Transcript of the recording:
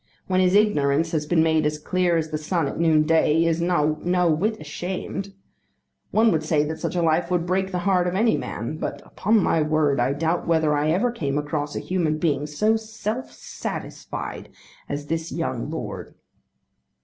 When his ignorance has been made as clear as the sun at noon day, he is no whit ashamed. One would say that such a life would break the heart of any man; but upon my word, I doubt whether I ever came across a human being so self satisfied as this young lord.